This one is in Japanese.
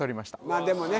まあでもね